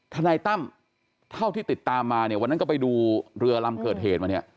ทนายตั้มเท่าที่ติดตามมาเนี่ยวันนั้นก็ไปดูเรือลำเกิดเหตุมาเนี่ย